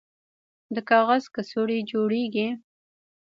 د کاغذ کڅوړې جوړیږي؟